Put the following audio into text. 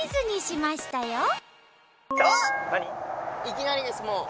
いきなりですもう。